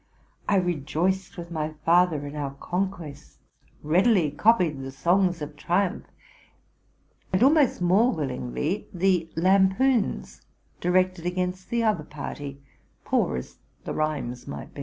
I rejgiced with my father in our conquests, readily copied the songs of triumph, and almost more will ingly the lampoons directed against the other party, poor as the rhymes might be.